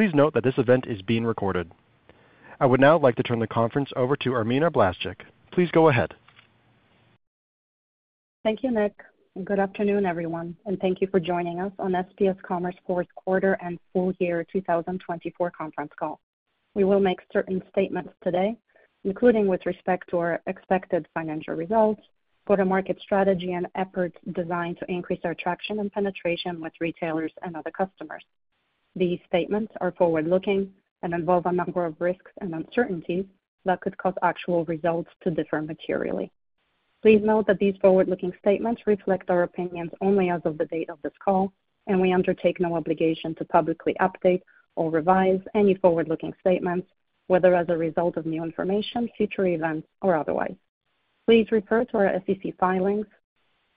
Please note that this event is being recorded. I would now like to turn the conference over to Irmina Blaszczyk. Please go ahead. Thank you, Nick. Good afternoon, everyone, and thank you for joining us on SPS Commerce's Fourth Quarter and Full Year 2024 Conference Call. We will make certain statements today, including with respect to our expected financial results, go-to-market strategy, and efforts designed to increase our traction and penetration with retailers and other customers. These statements are forward-looking and involve a number of risks and uncertainties that could cause actual results to differ materially. Please note that these forward-looking statements reflect our opinions only as of the date of this call, and we undertake no obligation to publicly update or revise any forward-looking statements, whether as a result of new information, future events, or otherwise. Please refer to our SEC filings,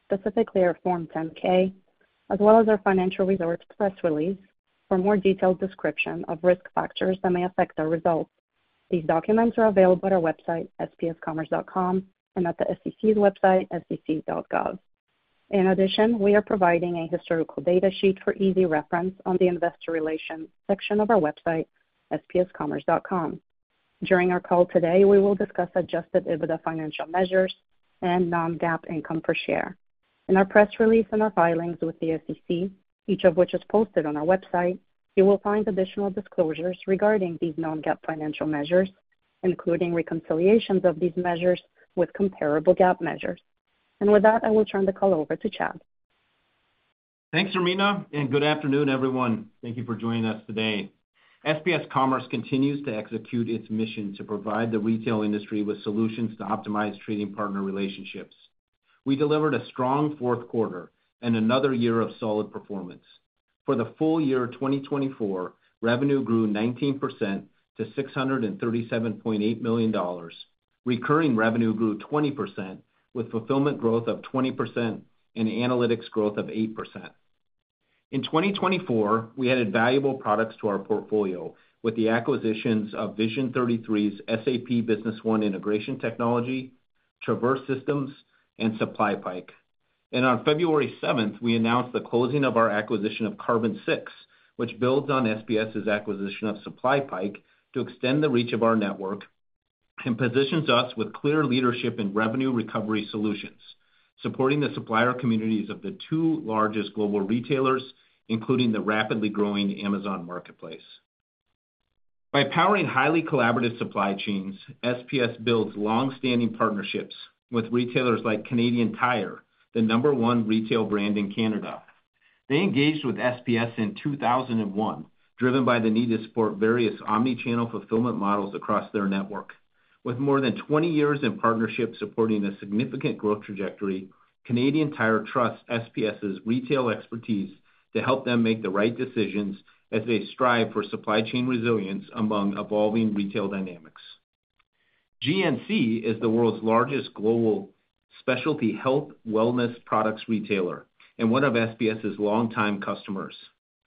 specifically our Form 10-K, as well as our financial results press release for more detailed description of risk factors that may affect our results. These documents are available at our website, spscommerce.com, and at the SEC's website, sec.gov. In addition, we are providing a historical data sheet for easy reference on the Investor Relations section of our website, spscommerce.com. During our call today, we will discuss Adjusted EBITDA financial measures and non-GAAP income per share. In our press release and our filings with the SEC, each of which is posted on our website, you will find additional disclosures regarding these non-GAAP financial measures, including reconciliations of these measures with comparable GAAP measures. And with that, I will turn the call over to Chad. Thanks, Irmina, and good afternoon, everyone. Thank you for joining us today. SPS Commerce continues to execute its mission to provide the retail industry with solutions to optimize trading partner relationships. We delivered a strong fourth quarter and another year of solid performance. For the full year 2024, revenue grew 19% to $637.8 million. Recurring revenue grew 20%, with fulfillment growth of 20% and analytics growth of 8%. In 2024, we added valuable products to our portfolio with the acquisitions of Vision33's SAP Business One Integration Technology, Traverse Systems, and SupplyPike, and on February 7th, we announced the closing of our acquisition of Carbon6, which builds on SPS's acquisition of SupplyPike to extend the reach of our network and positions us with clear leadership in revenue recovery solutions, supporting the supplier communities of the two largest global retailers, including the rapidly growing Amazon Marketplace. By powering highly collaborative supply chains, SPS builds long-standing partnerships with retailers like Canadian Tire, the number one retail brand in Canada. They engaged with SPS in 2001, driven by the need to support various omnichannel fulfillment models across their network. With more than 20 years in partnership supporting a significant growth trajectory, Canadian Tire trusts SPS's retail expertise to help them make the right decisions as they strive for supply chain resilience among evolving retail dynamics. GNC is the world's largest global specialty health and wellness products retailer and one of SPS's longtime customers.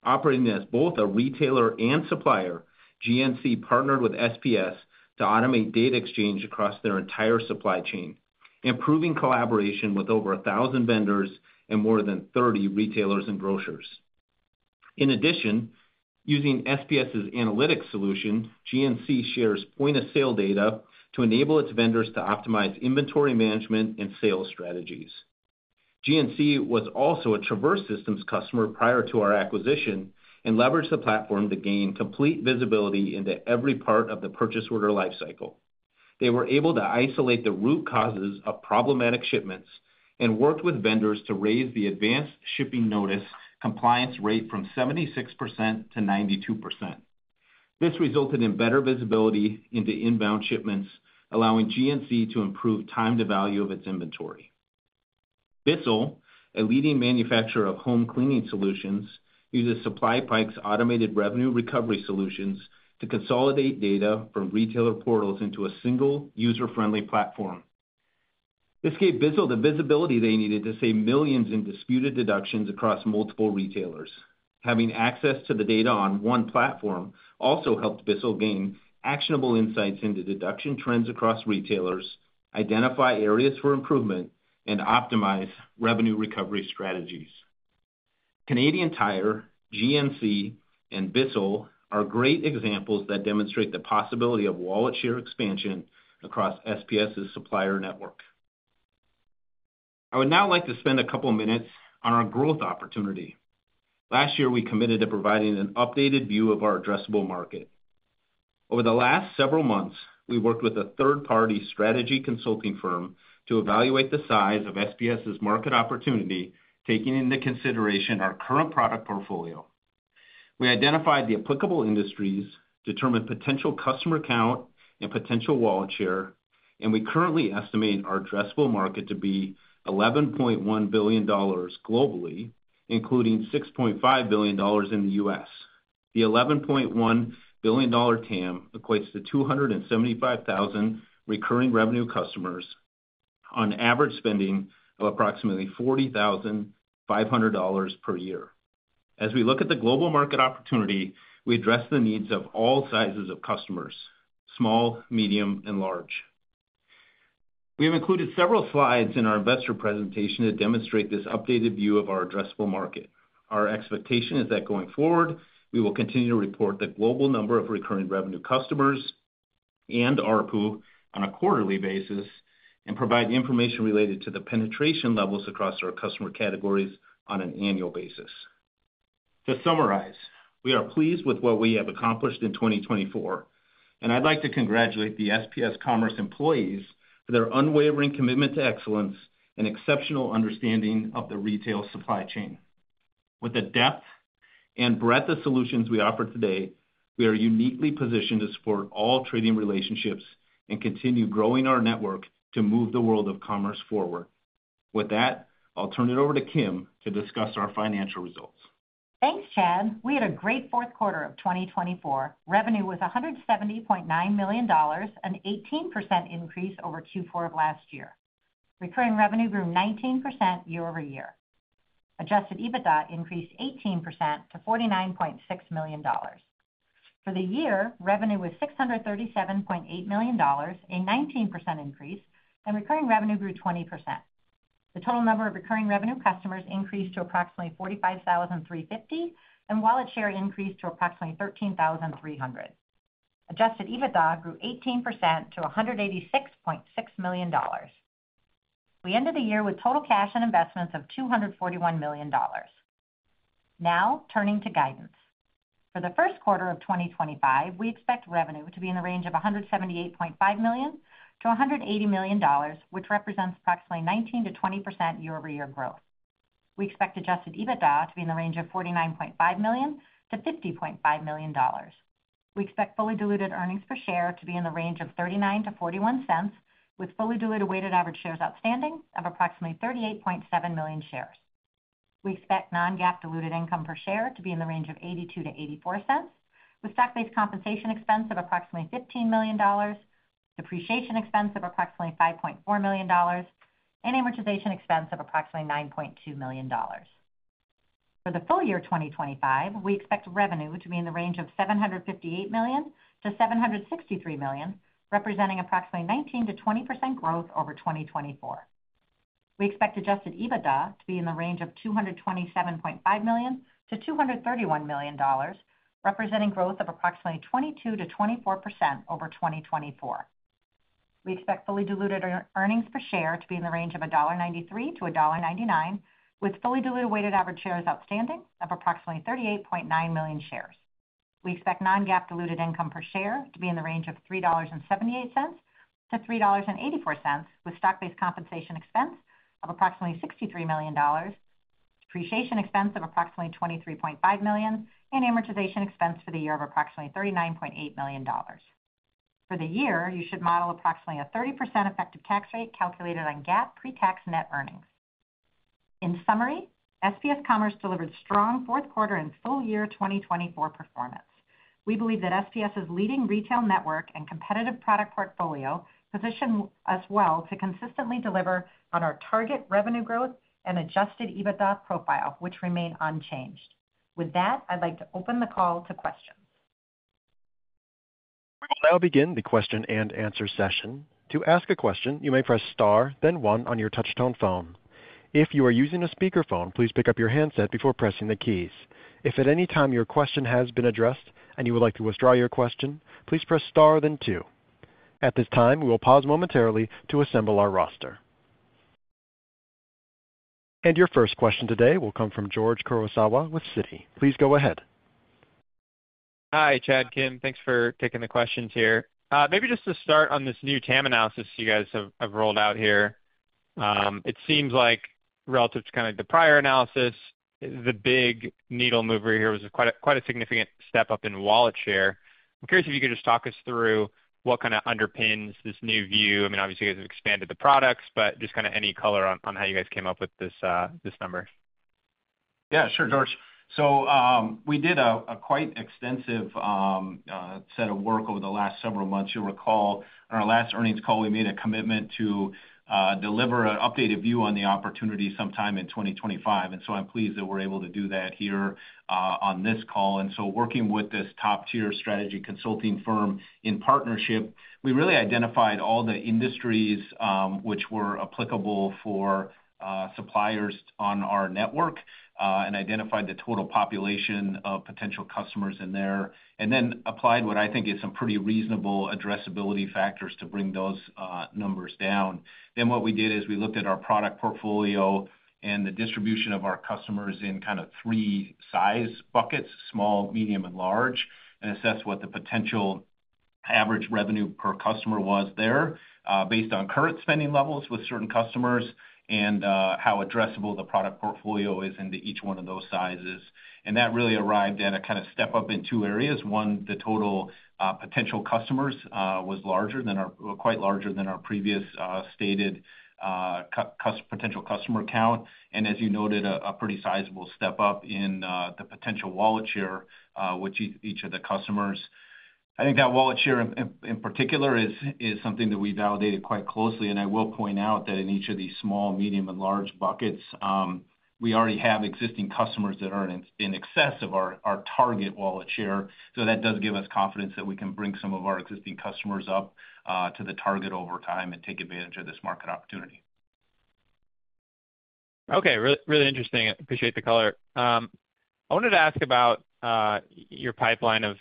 Operating as both a retailer and supplier, GNC partnered with SPS to automate data exchange across their entire supply chain, improving collaboration with over 1,000 vendors and more than 30 retailers and grocers. In addition, using SPS's analytics solution, GNC shares point-of-sale data to enable its vendors to optimize inventory management and sales strategies. GNC was also a Traverse Systems customer prior to our acquisition and leveraged the platform to gain complete visibility into every part of the purchase order lifecycle. They were able to isolate the root causes of problematic shipments and worked with vendors to raise the advanced shipping notice compliance rate from 76% to 92%. This resulted in better visibility into inbound shipments, allowing GNC to improve time-to-value of its inventory. Bissell, a leading manufacturer of home cleaning solutions, uses SupplyPike's automated revenue recovery solutions to consolidate data from retailer portals into a single user-friendly platform. This gave Bissell the visibility they needed to save millions in disputed deductions across multiple retailers. Having access to the data on one platform also helped Bissell gain actionable insights into deduction trends across retailers, identify areas for improvement, and optimize revenue recovery strategies. Canadian Tire, GNC, and Bissell are great examples that demonstrate the possibility of wallet share expansion across SPS's supplier network. I would now like to spend a couple of minutes on our growth opportunity. Last year, we committed to providing an updated view of our addressable market. Over the last several months, we worked with a third-party strategy consulting firm to evaluate the size of SPS's market opportunity, taking into consideration our current product portfolio. We identified the applicable industries, determined potential customer count, and potential wallet share, and we currently estimate our addressable market to be $11.1 billion globally, including $6.5 billion in the U.S. The $11.1 billion TAM equates to 275,000 recurring revenue customers on average spending of approximately $40,500 per year. As we look at the global market opportunity, we address the needs of all sizes of customers: small, medium, and large. We have included several slides in our investor presentation to demonstrate this updated view of our addressable market. Our expectation is that going forward, we will continue to report the global number of recurring revenue customers and ARPU on a quarterly basis and provide information related to the penetration levels across our customer categories on an annual basis. To summarize, we are pleased with what we have accomplished in 2024, and I'd like to congratulate the SPS Commerce employees for their unwavering commitment to excellence and exceptional understanding of the retail supply chain. With the depth and breadth of solutions we offer today, we are uniquely positioned to support all trading relationships and continue growing our network to move the world of commerce forward. With that, I'll turn it over to Kim to discuss our financial results. Thanks, Chad. We had a great fourth quarter of 2024. Revenue was $170.9 million, an 18% increase over Q4 of last year. Recurring revenue grew 19% year over year. Adjusted EBITDA increased 18% to $49.6 million. For the year, revenue was $637.8 million, a 19% increase, and recurring revenue grew 20%. The total number of recurring revenue customers increased to approximately 45,350, and wallet share increased to approximately 13,300. Adjusted EBITDA grew 18% to $186.6 million. We ended the year with total cash and investments of $241 million. Now, turning to guidance. For the first quarter of 2025, we expect revenue to be in the range of $178.5 million-$180 million, which represents approximately 19%-20% year over year growth. We expect adjusted EBITDA to be in the range of $49.5 million-$50.5 million. We expect fully diluted earnings per share to be in the range of $0.39-$0.41, with fully diluted weighted average shares outstanding of approximately 38.7 million shares. We expect non-GAAP diluted income per share to be in the range of $0.82-$0.84, with stock-based compensation expense of approximately $15 million, depreciation expense of approximately $5.4 million, and amortization expense of approximately $9.2 million. For the full year 2025, we expect revenue to be in the range of $758-$763 million, representing approximately 19%-20% growth over 2024. We expect Adjusted EBITDA to be in the range of $227.5-$231 million, representing growth of approximately 22%-24% over 2024. We expect fully diluted earnings per share to be in the range of $1.93-$1.99, with fully diluted weighted average shares outstanding of approximately 38.9 million shares. We expect non-GAAP diluted income per share to be in the range of $3.78-$3.84, with stock-based compensation expense of approximately $63 million, depreciation expense of approximately $23.5 million, and amortization expense for the year of approximately $39.8 million. For the year, you should model approximately a 30% effective tax rate calculated on GAAP pre-tax net earnings. In summary, SPS Commerce delivered strong fourth quarter and full year 2024 performance. We believe that SPS's leading retail network and competitive product portfolio position us well to consistently deliver on our target revenue growth and adjusted EBITDA profile, which remain unchanged. With that, I'd like to open the call to questions. We will now begin the question and answer session. To ask a question, you may press star, then one on your touch-tone phone. If you are using a speakerphone, please pick up your handset before pressing the keys. If at any time your question has been addressed and you would like to withdraw your question, please press star, then two. At this time, we will pause momentarily to assemble our roster. Your first question today will come from George Kurosawa with Citi. Please go ahead. Hi, Chad, Kim. Thanks for taking the questions here. Maybe just to start on this new TAM analysis you guys have rolled out here, it seems like relative to kind of the prior analysis, the big needle mover here was quite a significant step up in wallet share. I'm curious if you could just talk us through what kind of underpins this new view. I mean, obviously, you guys have expanded the products, but just kind of any color on how you guys came up with this number. Yeah, sure, George. So we did a quite extensive set of work over the last several months. You'll recall on our last earnings call, we made a commitment to deliver an updated view on the opportunity sometime in 2025. And so I'm pleased that we're able to do that here on this call. And so working with this top-tier strategy consulting firm in partnership, we really identified all the industries which were applicable for suppliers on our network and identified the total population of potential customers in there, and then applied what I think is some pretty reasonable addressability factors to bring those numbers down. Then what we did is we looked at our product portfolio and the distribution of our customers in kind of three size buckets: small, medium, and large, and assessed what the potential average revenue per customer was there based on current spending levels with certain customers and how addressable the product portfolio is into each one of those sizes. And that really arrived at a kind of step up in two areas. One, the total potential customers was larger than ours, quite larger than our previous stated potential customer count, and as you noted, a pretty sizable step up in the potential wallet share with each of the customers. I think that wallet share in particular is something that we validated quite closely. I will point out that in each of these small, medium, and large buckets, we already have existing customers that are in excess of our target wallet share. So that does give us confidence that we can bring some of our existing customers up to the target over time and take advantage of this market opportunity. Okay, really interesting. Appreciate the color. I wanted to ask about your pipeline of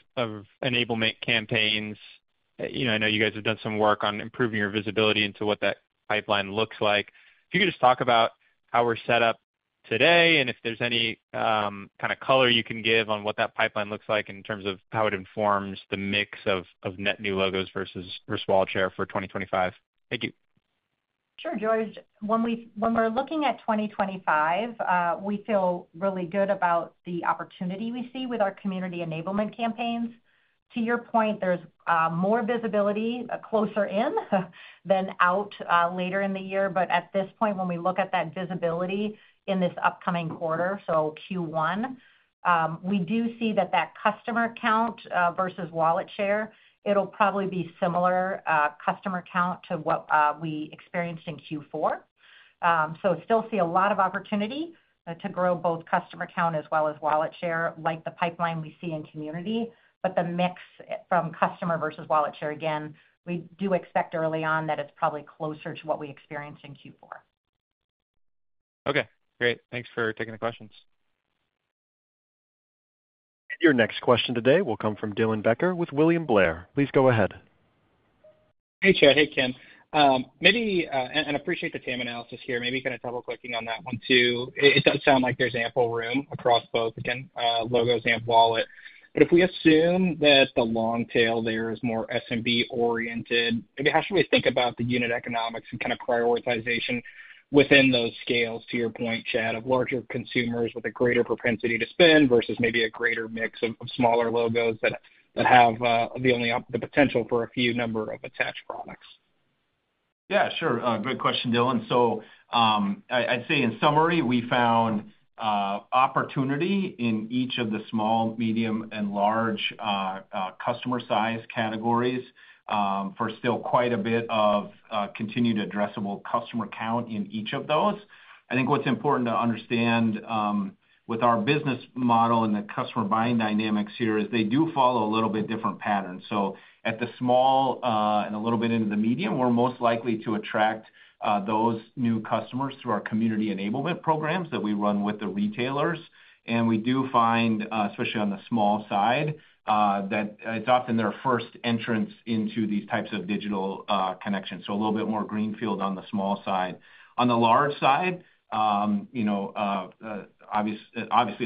enablement campaigns. I know you guys have done some work on improving your visibility into what that pipeline looks like. If you could just talk about how we're set up today and if there's any kind of color you can give on what that pipeline looks like in terms of how it informs the mix of net new logos versus wallet share for 2025? Thank you. Sure, George. When we're looking at 2025, we feel really good about the opportunity we see with our community enablement campaigns. To your point, there's more visibility closer in than out later in the year. But at this point, when we look at that visibility in this upcoming quarter, so Q1, we do see that that customer count versus wallet share, it'll probably be similar customer count to what we experienced in Q4. So still see a lot of opportunity to grow both customer count as well as wallet share, like the pipeline we see in community. But the mix from customer versus wallet share, again, we do expect early on that it's probably closer to what we experienced in Q4. Okay, great. Thanks for taking the questions. Your next question today will come from Dylan Becker with William Blair. Please go ahead. Hey, Chad. Hey, Kim. And I appreciate the TAM analysis here. Maybe kind of double-clicking on that one too. It does sound like there's ample room across both, again, logos and wallet. But if we assume that the long tail there is more SMB-oriented, maybe how should we think about the unit economics and kind of prioritization within those scales, to your point, Chad, of larger consumers with a greater propensity to spend versus maybe a greater mix of smaller logos that have the potential for a few number of attached products? Yeah, sure. Great question, Dylan. So I'd say in summary, we found opportunity in each of the small, medium, and large customer size categories for still quite a bit of continued addressable customer count in each of those. I think what's important to understand with our business model and the customer buying dynamics here is they do follow a little bit different patterns. So at the small and a little bit into the medium, we're most likely to attract those new customers through our community enablement programs that we run with the retailers. And we do find, especially on the small side, that it's often their first entrance into these types of digital connections. So a little bit more greenfield on the small side. On the large side, obviously,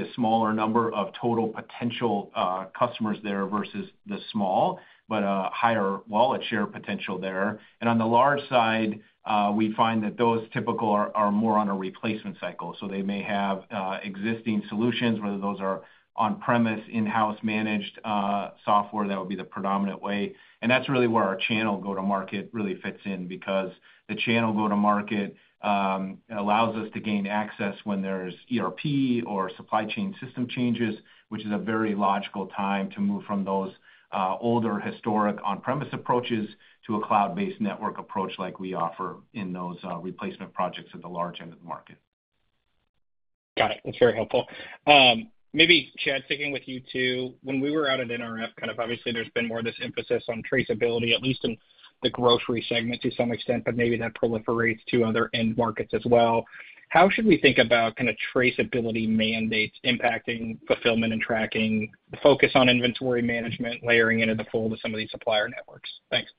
a smaller number of total potential customers there versus the small, but a higher wallet share potential there. And on the large side, we find that those typically are more on a replacement cycle. So they may have existing solutions, whether those are on-premise, in-house managed software, that would be the predominant way. And that's really where our channel go-to-market really fits in because the channel go-to-market allows us to gain access when there's ERP or supply chain system changes, which is a very logical time to move from those older historic on-premise approaches to a cloud-based network approach like we offer in those replacement projects at the large end of the market. Got it. That's very helpful. Maybe, Chad, sticking with you too, when we were out at NRF, kind of obviously there's been more of this emphasis on traceability, at least in the grocery segment to some extent, but maybe that proliferates to other end markets as well. How should we think about kind of traceability mandates impacting fulfillment and tracking, focus on inventory management, layering into the fold of some of these supplier networks? Thanks.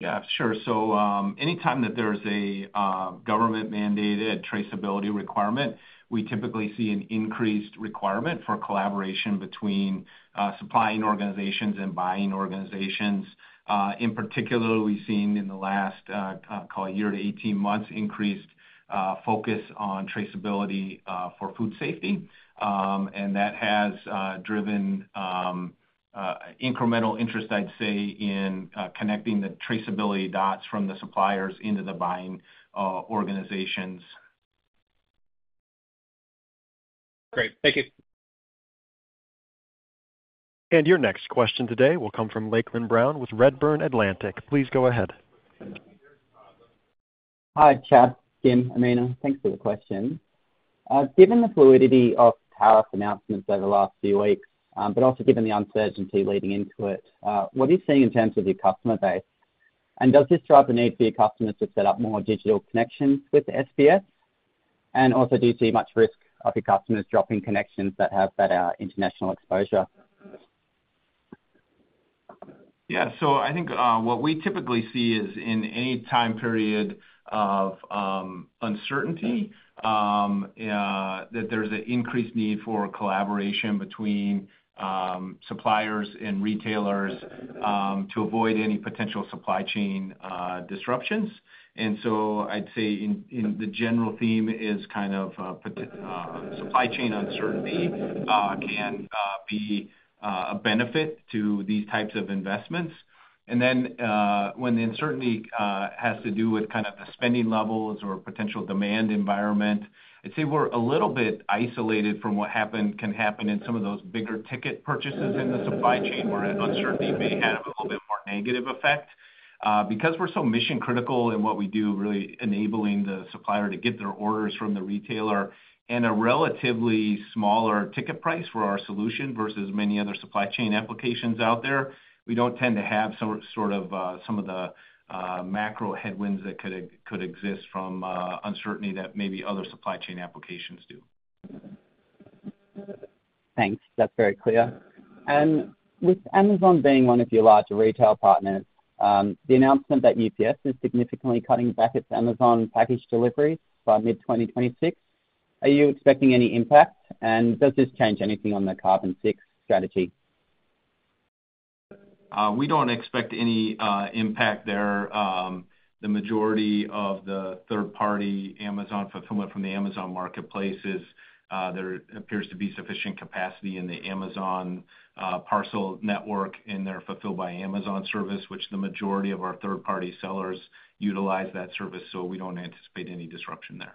Yeah, sure. So anytime that there's a government-mandated traceability requirement, we typically see an increased requirement for collaboration between supplying organizations and buying organizations. In particular, we've seen in the last, call it a year to 18 months, increased focus on traceability for food safety. And that has driven incremental interest, I'd say, in connecting the traceability dots from the suppliers into the buying organizations. Great. Thank you. Your next question today will come from Lachlan Brown with Redburn Atlantic. Please go ahead. Hi, Chad, Kim, Irmina. Thanks for the question. Given the fluidity of tariff announcements over the last few weeks, but also given the uncertainty leading into it, what are you seeing in terms of your customer base? And does this drive the need for your customers to set up more digital connections with SPS? And also, do you see much risk of your customers dropping connections that have better international exposure? Yeah. So I think what we typically see is in any time period of uncertainty that there's an increased need for collaboration between suppliers and retailers to avoid any potential supply chain disruptions. And so I'd say the general theme is kind of supply chain uncertainty can be a benefit to these types of investments. And then when the uncertainty has to do with kind of the spending levels or potential demand environment, I'd say we're a little bit isolated from what can happen in some of those bigger ticket purchases in the supply chain where uncertainty may have a little bit more negative effect. Because we're so mission-critical in what we do, really enabling the supplier to get their orders from the retailer and a relatively smaller ticket price for our solution versus many other supply chain applications out there, we don't tend to have sort of some of the macro headwinds that could exist from uncertainty that maybe other supply chain applications do. Thanks. That's very clear. And with Amazon being one of your larger retail partners, the announcement that UPS is significantly cutting back its Amazon package deliveries by mid-2026, are you expecting any impact? And does this change anything on the Carbon6 strategy? We don't expect any impact there. The majority of the third-party Amazon fulfillment from the Amazon marketplaces, there appears to be sufficient capacity in the Amazon parcel network, and the Fulfilled by Amazon service, which the majority of our third-party sellers utilize that service. So we don't anticipate any disruption there.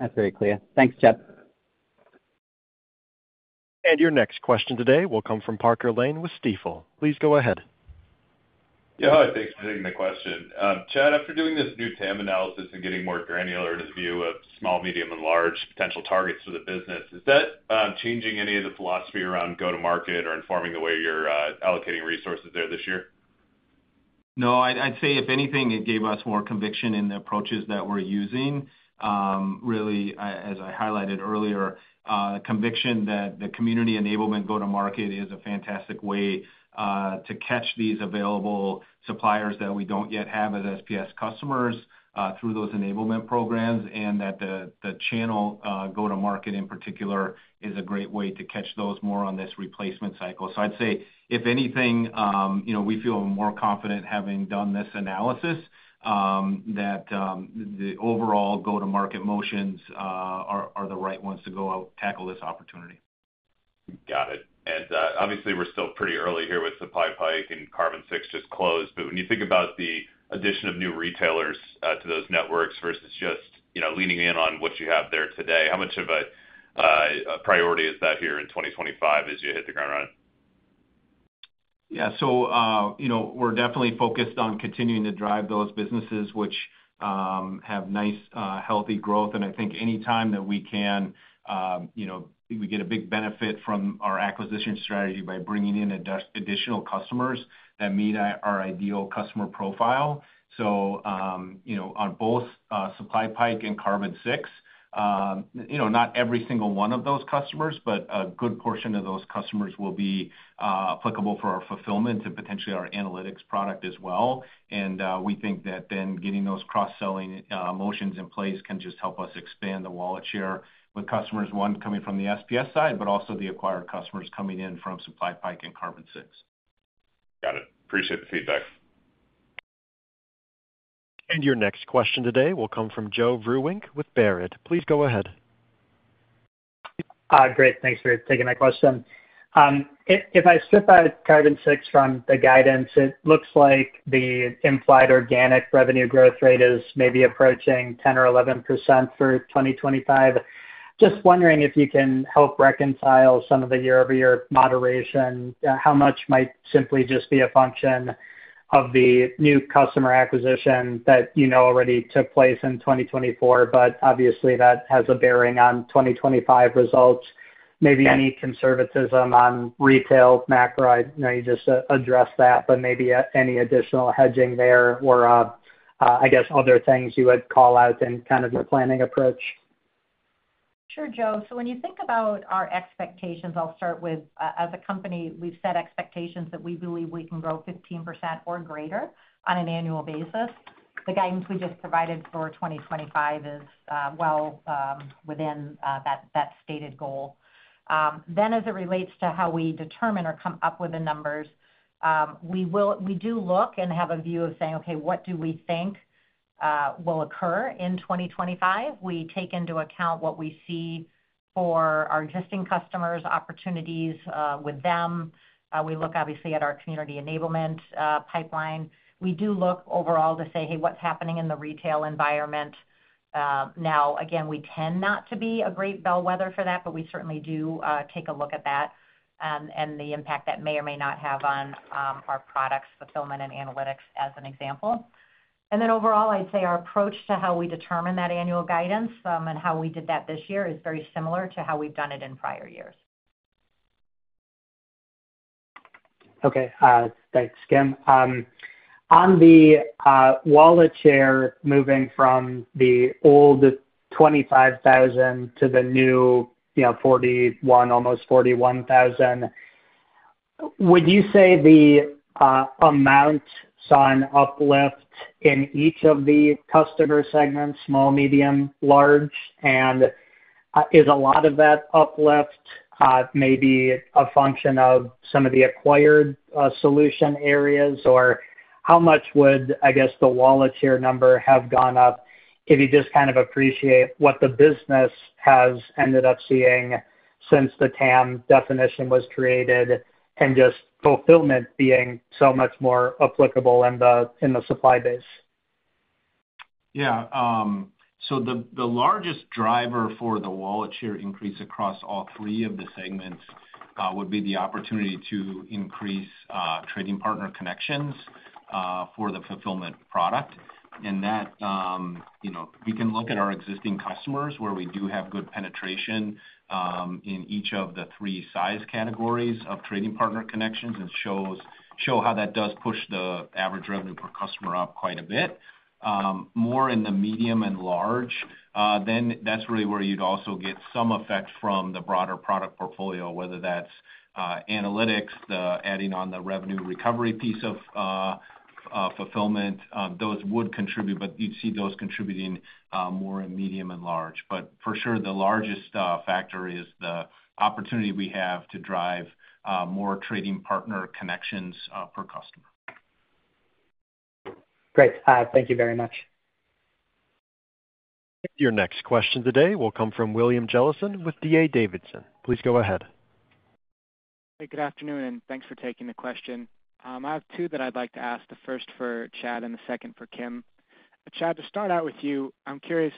That's very clear. Thanks, Chad. Your next question today will come from Parker Lane with Stifel. Please go ahead. Yeah, thanks for taking the question. Chad, after doing this new TAM analysis and getting more granular into the view of small, medium, and large potential targets for the business, is that changing any of the philosophy around go-to-market or informing the way you're allocating resources there this year? No, I'd say if anything, it gave us more conviction in the approaches that we're using. Really, as I highlighted earlier, conviction that the community enablement go-to-market is a fantastic way to catch these available suppliers that we don't yet have as SPS customers through those enablement programs and that the channel go-to-market in particular is a great way to catch those more on this replacement cycle. So I'd say if anything, we feel more confident having done this analysis that the overall go-to-market motions are the right ones to go tackle this opportunity. Got it. And obviously, we're still pretty early here with SupplyPike and Carbon6 just closed. But when you think about the addition of new retailers to those networks versus just leaning in on what you have there today, how much of a priority is that here in 2025 as you hit the ground running? Yeah. So we're definitely focused on continuing to drive those businesses, which have nice, healthy growth. And I think anytime that we can, we get a big benefit from our acquisition strategy by bringing in additional customers that meet our ideal customer profile. So on both SupplyPike and Carbon6, not every single one of those customers, but a good portion of those customers will be applicable for our fulfillment and potentially our analytics product as well. And we think that then getting those cross-selling motions in place can just help us expand the wallet share with customers, one coming from the SPS side, but also the acquired customers coming in from SupplyPike and Carbon6. Got it. Appreciate the feedback. And your next question today will come from Joe Vruwink with Baird. Please go ahead. Great. Thanks for taking my question. If I strip out Carbon6 from the guidance, it looks like the implied organic revenue growth rate is maybe approaching 10% or 11% for 2025. Just wondering if you can help reconcile some of the year-over-year moderation. How much might simply just be a function of the new customer acquisition that already took place in 2024, but obviously that has a bearing on 2025 results? Maybe any conservatism on retail macro, you just addressed that, but maybe any additional hedging there or, I guess, other things you would call out in kind of your planning approach? Sure, Joe. So when you think about our expectations, I'll start with, as a company, we've set expectations that we believe we can grow 15% or greater on an annual basis. The guidance we just provided for 2025 is well within that stated goal. Then, as it relates to how we determine or come up with the numbers, we do look and have a view of saying, "Okay, what do we think will occur in 2025?" We take into account what we see for our existing customers, opportunities with them. We look, obviously, at our community enablement pipeline. We do look overall to say, "Hey, what's happening in the retail environment?" Now, again, we tend not to be a great bellwether for that, but we certainly do take a look at that and the impact that may or may not have on our products, Fulfillment, and Analytics as an example. And then overall, I'd say our approach to how we determine that annual guidance and how we did that this year is very similar to how we've done it in prior years. Okay. Thanks, Kim. On the wallet share, moving from the old 25,000 to the new 41, almost 41,000, would you say the amount saw an uplift in each of the customer segments, small, medium, large? And is a lot of that uplift maybe a function of some of the acquired solution areas, or how much would, I guess, the wallet share number have gone up if you just kind of appreciate what the business has ended up seeing since the TAM definition was created and just fulfillment being so much more applicable in the supply base? Yeah. So the largest driver for the Wallet Share increase across all three of the segments would be the opportunity to increase trading partner connections for the Fulfillment product. And we can look at our existing customers where we do have good penetration in each of the three size categories of trading partner connections and show how that does push the average revenue per customer up quite a bit. More in the medium and large, than that's really where you'd also get some effect from the broader product portfolio, whether that's Analytics, the adding on the revenue recovery piece of Fulfillment, those would contribute, but you'd see those contributing more in medium and large. But for sure, the largest factor is the opportunity we have to drive more trading partner connections per customer. Great. Thank you very much. Your next question today will come from William Jellison with D.A. Davidson. Please go ahead. Hey, good afternoon, and thanks for taking the question. I have two that I'd like to ask, the first for Chad and the second for Kim. Chad, to start out with you, I'm curious,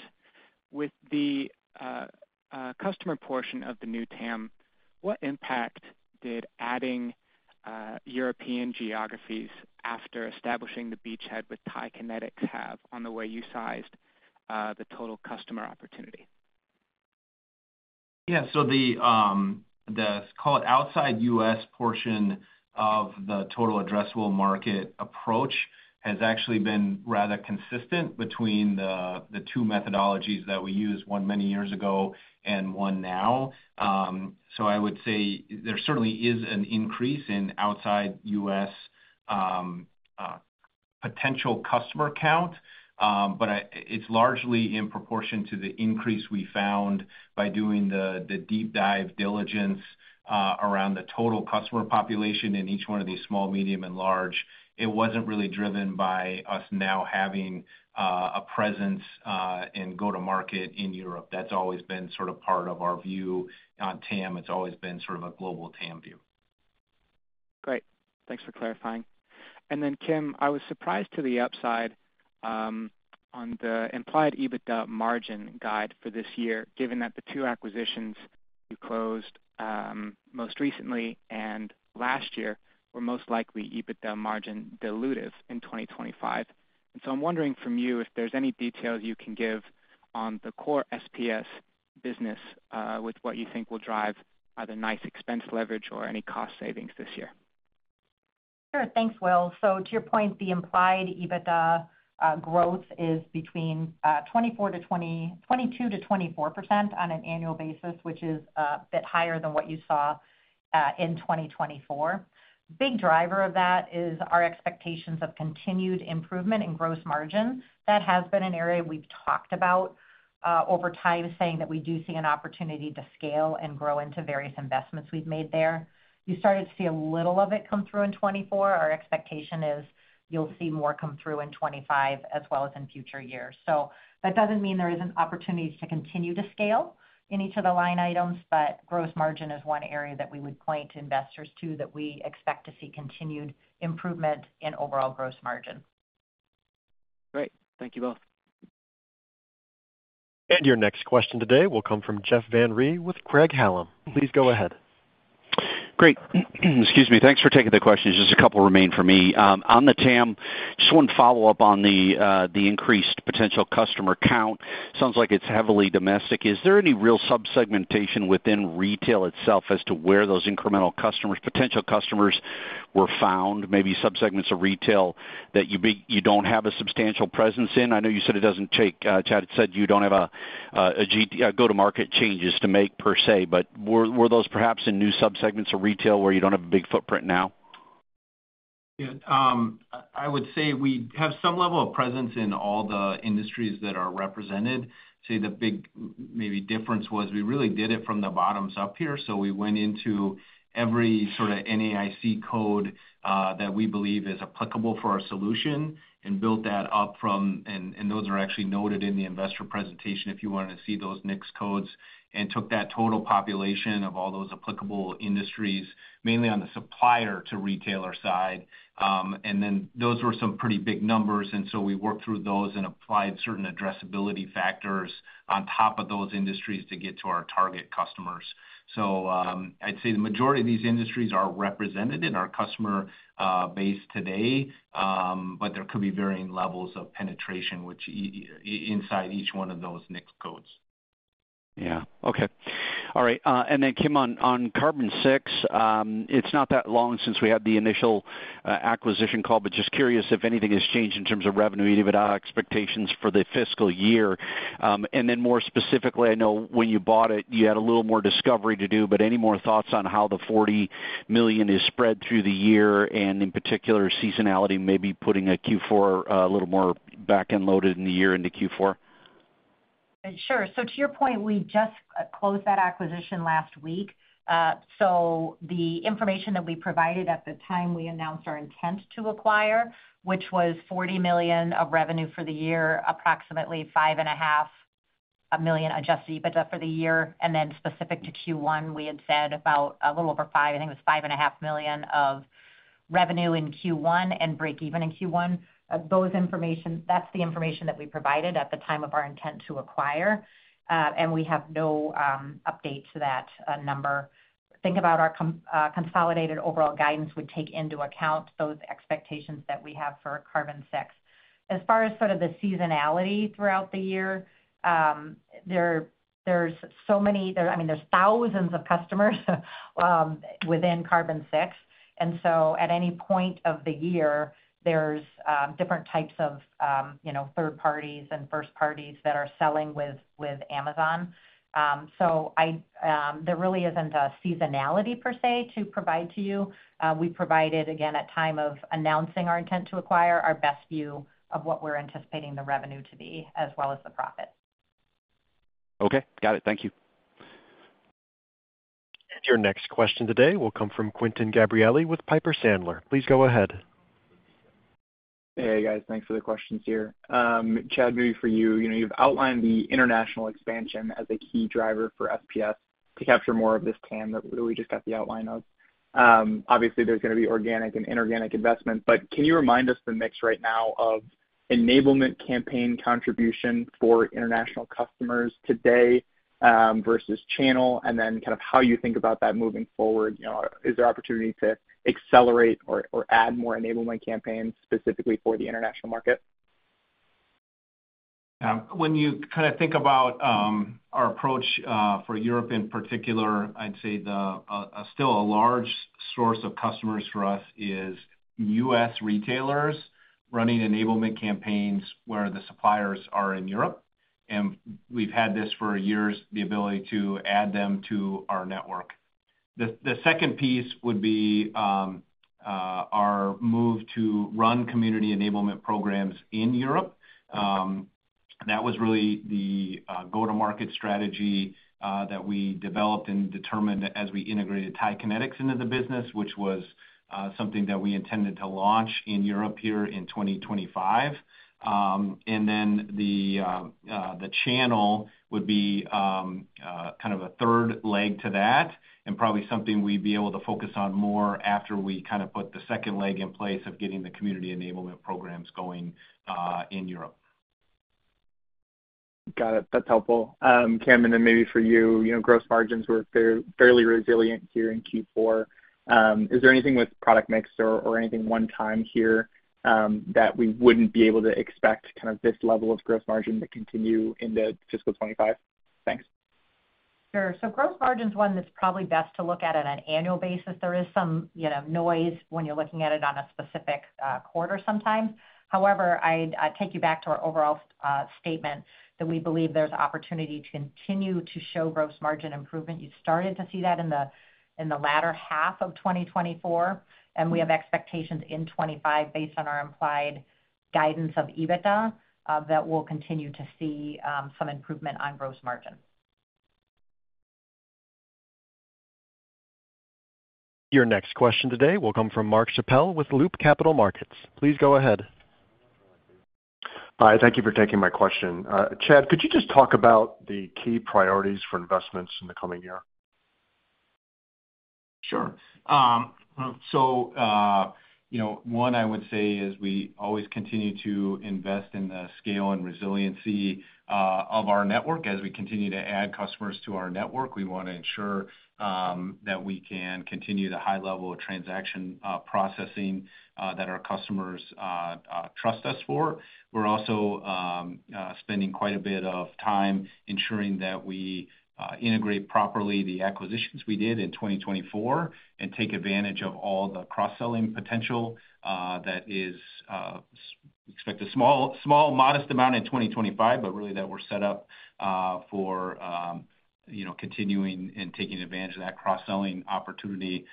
with the customer portion of the new TAM, what impact did adding European geographies after establishing the beachhead with TIE Kinetix have on the way you sized the total customer opportunity? Yeah. So the call it outside U.S. portion of the total addressable market approach has actually been rather consistent between the two methodologies that we used, one many years ago and one now. So I would say there certainly is an increase in outside U.S. potential customer count, but it's largely in proportion to the increase we found by doing the deep dive diligence around the total customer population in each one of these small, medium, and large. It wasn't really driven by us now having a presence in go-to-market in Europe. That's always been sort of part of our view on TAM. It's always been sort of a global TAM view. Great. Thanks for clarifying, and then, Kim, I was surprised to the upside on the implied EBITDA margin guide for this year, given that the two acquisitions you closed most recently and last year were most likely EBITDA margin dilutive in 2025, and so I'm wondering from you if there's any details you can give on the core SPS business with what you think will drive either nice expense leverage or any cost savings this year. Sure. Thanks, Will. So to your point, the implied EBITDA growth is between 22%-24% on an annual basis, which is a bit higher than what you saw in 2024. Big driver of that is our expectations of continued improvement in gross margin. That has been an area we've talked about over time, saying that we do see an opportunity to scale and grow into various investments we've made there. You started to see a little of it come through in 2024. Our expectation is you'll see more come through in 2025 as well as in future years. So that doesn't mean there isn't opportunities to continue to scale in each of the line items, but gross margin is one area that we would point to investors to that we expect to see continued improvement in overall gross margin. Great. Thank you both. And your next question today will come from Jeff Van Rhee with Craig-Hallum. Please go ahead. Great. Excuse me. Thanks for taking the question. Just a couple remain for me. On the TAM, just wanted to follow up on the increased potential customer count. Sounds like it's heavily domestic. Is there any real subsegmentation within retail itself as to where those incremental potential customers were found, maybe subsegments of retail that you don't have a substantial presence in? I know you said it doesn't take, Chad said you don't have a go-to-market changes to make per se, but were those perhaps in new subsegments of retail where you don't have a big footprint now? Yeah. I would say we have some level of presence in all the industries that are represented. Say the big maybe difference was we really did it from the bottoms up here. So we went into every sort of NAICS code that we believe is applicable for our solution and built that up from, and those are actually noted in the investor presentation if you wanted to see those NAICS codes, and took that total population of all those applicable industries, mainly on the supplier to retailer side. And then those were some pretty big numbers. And so we worked through those and applied certain addressability factors on top of those industries to get to our target customers. So I'd say the majority of these industries are represented in our customer base today, but there could be varying levels of penetration inside each one of those NAICS codes. Yeah. Okay. All right. And then, Kim, on Carbon6, it's not that long since we had the initial acquisition call, but just curious if anything has changed in terms of revenue EBITDA expectations for the fiscal year. And then more specifically, I know when you bought it, you had a little more discovery to do, but any more thoughts on how the $40 million is spread through the year and, in particular, seasonality, maybe putting a Q4 a little more backend loaded in the year into Q4? Sure. So to your point, we just closed that acquisition last week. So the information that we provided at the time we announced our intent to acquire, which was $40 million of revenue for the year, approximately $5.5 million Adjusted EBITDA for the year. And then specific to Q1, we had said about a little over five, I think it was $5.5 million of revenue in Q1 and break-even in Q1. That's the information that we provided at the time of our intent to acquire. And we have no update to that number. Think about our consolidated overall guidance would take into account those expectations that we have for Carbon6. As far as sort of the seasonality throughout the year, there's so many, I mean, there's thousands of customers within Carbon6. And so at any point of the year, there's different types of third parties and first parties that are selling with Amazon. So there really isn't a seasonality per se to provide to you. We provided, again, at time of announcing our intent to acquire, our best view of what we're anticipating the revenue to be as well as the profit. Okay. Got it. Thank you. And your next question today will come from Quinton Gabrielli with Piper Sandler. Please go ahead. Hey, guys. Thanks for the questions here. Chad, maybe for you, you've outlined the international expansion as a key driver for SPS to capture more of this TAM that we just got the outline of. Obviously, there's going to be organic and inorganic investment, but can you remind us the mix right now of enablement campaign contribution for international customers today versus channel, and then kind of how you think about that moving forward? Is there opportunity to accelerate or add more enablement campaigns specifically for the international market? When you kind of think about our approach for Europe in particular, I'd say still a large source of customers for us is U.S. retailers running enablement campaigns where the suppliers are in Europe, and we've had this for years, the ability to add them to our network. The second piece would be our move to run community enablement programs in Europe. That was really the go-to-market strategy that we developed and determined as we integrated TIE Kinetix into the business, which was something that we intended to launch in Europe here in 2025, and then the channel would be kind of a third leg to that and probably something we'd be able to focus on more after we kind of put the second leg in place of getting the community enablement programs going in Europe. Got it. That's helpful. Kim, and then maybe for you, gross margins were fairly resilient here in Q4. Is there anything with product mix or anything one-time here that we wouldn't be able to expect kind of this level of gross margin to continue into fiscal 2025? Thanks. Sure. So gross margin's one that's probably best to look at on an annual basis. There is some noise when you're looking at it on a specific quarter sometimes. However, I'd take you back to our overall statement that we believe there's opportunity to continue to show gross margin improvement. You started to see that in the latter half of 2024, and we have expectations in 2025 based on our implied guidance of EBITDA that we'll continue to see some improvement on gross margin. Your next question today will come from Mark Schappel with Loop Capital Markets. Please go ahead. Hi. Thank you for taking my question. Chad, could you just talk about the key priorities for investments in the coming year? Sure. So one, I would say, is we always continue to invest in the scale and resiliency of our network. As we continue to add customers to our network, we want to ensure that we can continue the high level of transaction processing that our customers trust us for. We're also spending quite a bit of time ensuring that we integrate properly the acquisitions we did in 2024 and take advantage of all the cross-selling potential that is expected, a small, modest amount in 2025, but really that we're set up for continuing and taking advantage of that cross-selling opportunity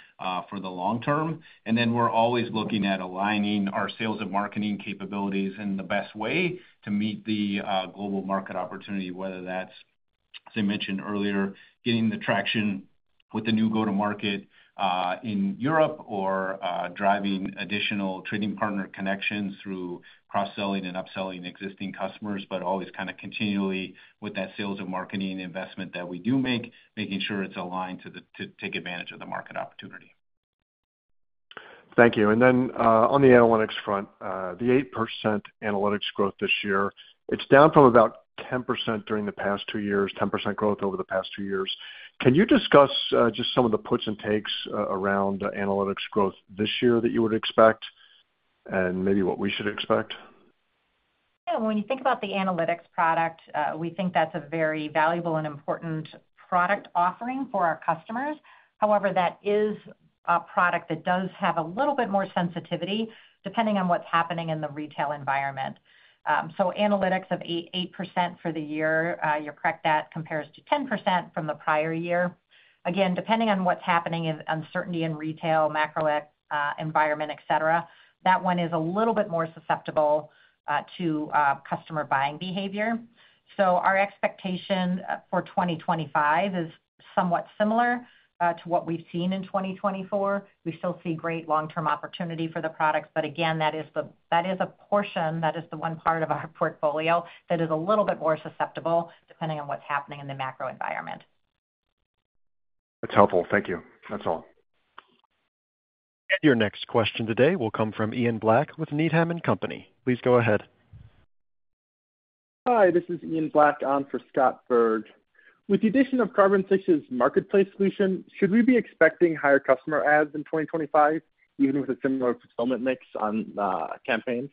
for the long term. And then we're always looking at aligning our sales and marketing capabilities in the best way to meet the global market opportunity, whether that's, as I mentioned earlier, getting the traction with the new go-to-market in Europe or driving additional trading partner connections through cross-selling and upselling existing customers, but always kind of continually with that sales and marketing investment that we do make, making sure it's aligned to take advantage of the market opportunity. Thank you. And then on the analytics front, the 8% analytics growth this year, it's down from about 10% during the past two years, 10% growth over the past two years. Can you discuss just some of the puts and takes around analytics growth this year that you would expect and maybe what we should expect? Yeah. When you think about the analytics product, we think that's a very valuable and important product offering for our customers. However, that is a product that does have a little bit more sensitivity depending on what's happening in the retail environment. So, analytics of 8% for the year, your year-over-year compares to 10% from the prior year. Again, depending on what's happening in uncertainty in retail, macro environment, etc., that one is a little bit more susceptible to customer buying behavior. So, our expectation for 2025 is somewhat similar to what we've seen in 2024. We still see great long-term opportunity for the products, but again, that is a portion, that is the one part of our portfolio that is a little bit more susceptible depending on what's happening in the macro environment. That's helpful. Thank you. That's all. And your next question today will come from Ian Black with Needham & Company. Please go ahead. Hi. This is Ian Black on for Scott Berg. With the addition of Carbon6's marketplace solution, should we be expecting higher customer adds in 2025, even with a similar fulfillment mix on campaigns?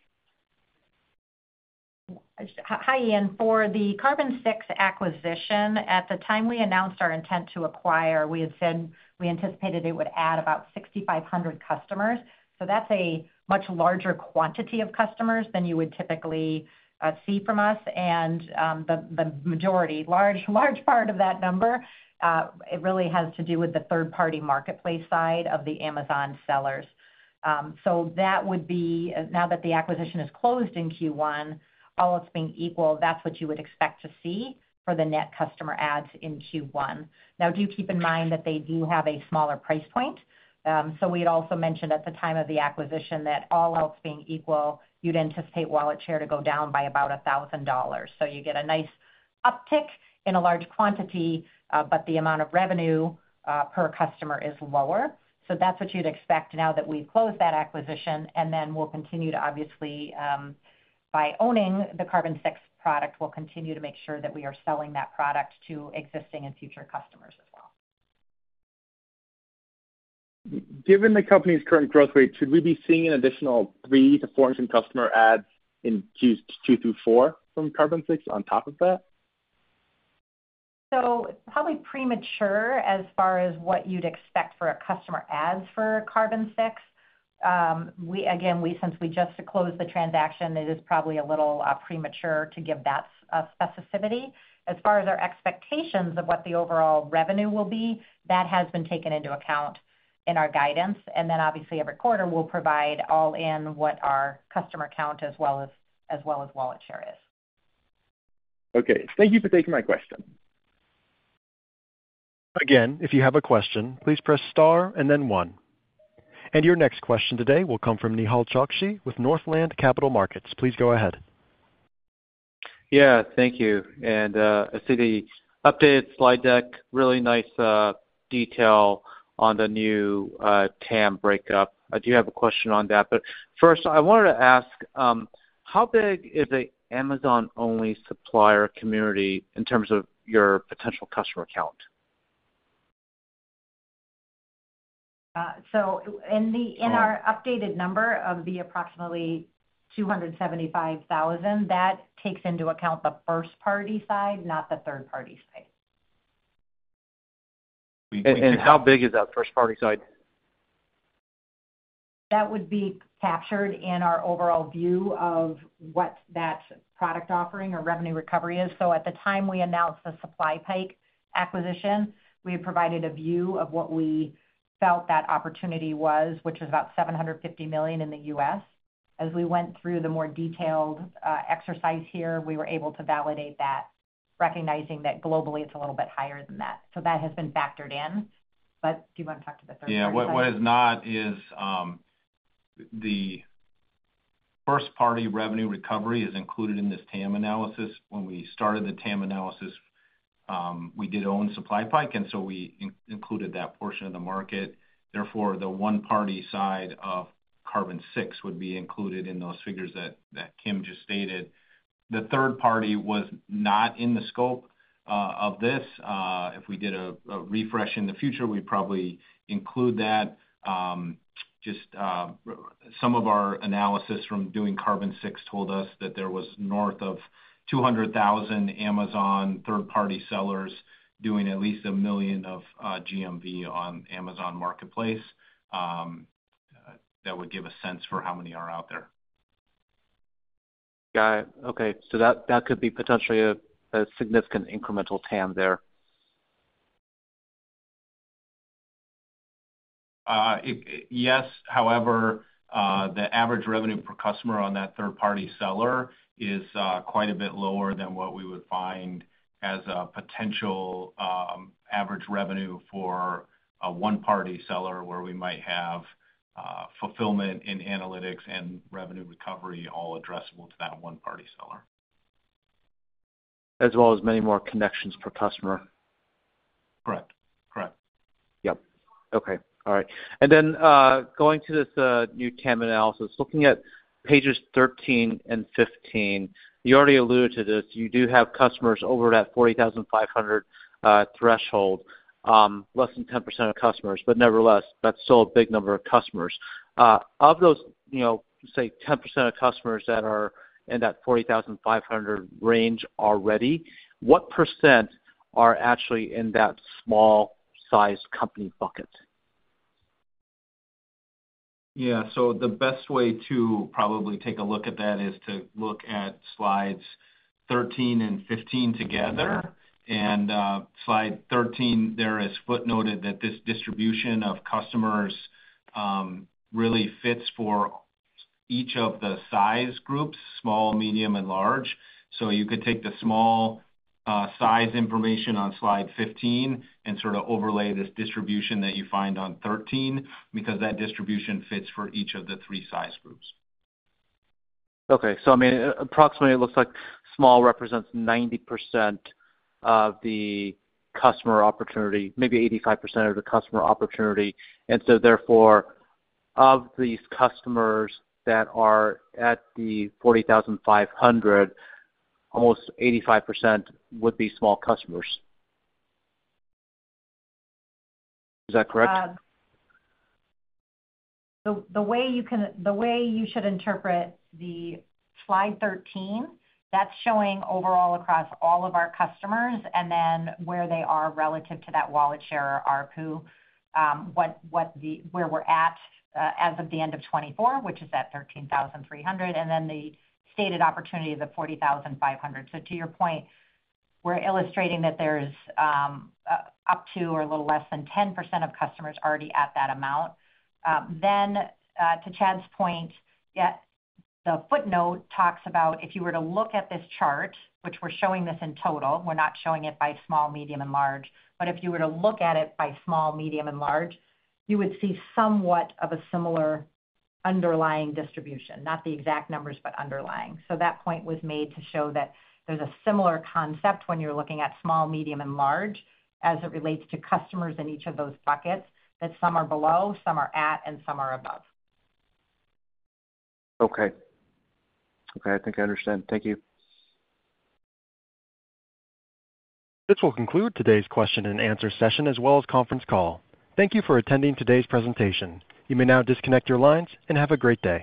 Hi, Ian. For the Carbon6 acquisition, at the time we announced our intent to acquire, we had said we anticipated it would add about 6,500 customers. That's a much larger quantity of customers than you would typically see from us. The majority, large part of that number, it really has to do with the third-party marketplace side of the Amazon sellers. That would be now that the acquisition is closed in Q1, all else being equal, that's what you would expect to see for the net customer adds in Q1. Now, do keep in mind that they do have a smaller price point. We had also mentioned at the time of the acquisition that all else being equal, you'd anticipate wallet share to go down by about $1,000. So you get a nice uptick in a large quantity, but the amount of revenue per customer is lower. So that's what you'd expect now that we've closed that acquisition. And then we'll continue to, obviously, by owning the Carbon6 product, we'll continue to make sure that we are selling that product to existing and future customers as well. Given the company's current growth rate, should we be seeing an additional three to 400 customer adds in Q2 through Q4 from Carbon6 on top of that? So probably premature as far as what you'd expect for customer adds for Carbon6. Again, since we just closed the transaction, it is probably a little premature to give that specificity. As far as our expectations of what the overall revenue will be, that has been taken into account in our guidance. And then, obviously, every quarter, we'll provide all in what our customer count as well as wallet share is. Okay. Thank you for taking my question. Again, if you have a question, please press star and then one. And your next question today will come from Nehal Chokshi with Northland Capital Markets. Please go ahead. Yeah. Thank you. And I see the update slide deck, really nice detail on the new TAM breakup. I do have a question on that. But first, I wanted to ask, how big is the Amazon-only supplier community in terms of your potential customer count? In our updated number of the approximately 275,000, that takes into account the first-party side, not the third-party side. How big is that first-party side? That would be captured in our overall view of what that product offering or revenue recovery is. So at the time we announced the SupplyPike acquisition, we had provided a view of what we felt that opportunity was, which was about $750 million in the U.S. As we went through the more detailed exercise here, we were able to validate that, recognizing that globally, it's a little bit higher than that. So that has been factored in. But do you want to talk to the third-party side? Yeah. What is not is the first-party revenue recovery is included in this TAM analysis. When we started the TAM analysis, we did own SupplyPike, and so we included that portion of the market. Therefore, the first-party side of Carbon6 would be included in those figures that Kim just stated. The third-party was not in the scope of this. If we did a refresh in the future, we'd probably include that. Just some of our analysis from doing Carbon6 told us that there was north of 200,000 Amazon third-party sellers doing at least $1 million of GMV on Amazon Marketplace. That would give a sense for how many are out there. Got it. Okay. So that could be potentially a significant incremental TAM there. Yes. However, the average revenue per customer on that third-party seller is quite a bit lower than what we would find as a potential average revenue for a one-party seller where we might have fulfillment and analytics and revenue recovery all addressable to that one-party seller. As well as many more connections per customer. Correct. Correct. Yep. Okay. All right. And then going to this new TAM analysis, looking at pages 13 and 15, you already alluded to this. You do have customers over that 40,500 threshold, less than 10% of customers. But nevertheless, that's still a big number of customers. Of those, say, 10% of customers that are in that 40,500 range already, what percent are actually in that small-sized company bucket? Yeah. So the best way to probably take a look at that is to look at slides 13 and 15 together. And slide 13, there is footnoted that this distribution of customers really fits for each of the size groups, small, medium, and large. So you could take the small-size information on slide 15 and sort of overlay this distribution that you find on 13 because that distribution fits for each of the three size groups. Okay. So I mean, approximately, it looks like small represents 90% of the customer opportunity, maybe 85% of the customer opportunity. And so therefore, of these customers that are at the 40,500, almost 85% would be small customers. Is that correct? The way you should interpret Slide 13, that's showing overall across all of our customers and then where they are relative to that wallet share or ARPU, where we're at as of the end of 2024, which is at 13,300, and then the stated opportunity of the 40,500. So to your point, we're illustrating that there's up to or a little less than 10% of customers already at that amount. Then, to Chad's point, the footnote talks about if you were to look at this chart, which we're showing this in total, we're not showing it by small, medium, and large. But if you were to look at it by small, medium, and large, you would see somewhat of a similar underlying distribution, not the exact numbers, but underlying. So that point was made to show that there's a similar concept when you're looking at small, medium, and large as it relates to customers in each of those buckets, that some are below, some are at, and some are above. Okay. Okay. I think I understand. Thank you. This will conclude today's question and answer session as well as conference call. Thank you for attending today's presentation. You may now disconnect your lines and have a great day.